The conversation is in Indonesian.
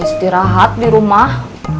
bisa istirahat di rumah